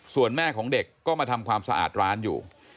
ส่วนแม่ของเด็กก็มาทำความสะอาดร้านอยู่